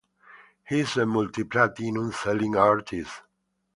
He is a multi-platinum selling artist.